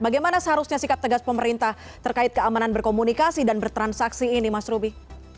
bagaimana seharusnya sikap tegas pemerintah terkait keamanan berkomunikasi dan bertransaksi ini mas ruby